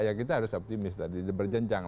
ya kita harus optimis tadi berjenjang